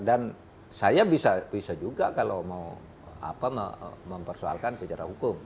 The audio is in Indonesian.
saya bisa juga kalau mau mempersoalkan secara hukum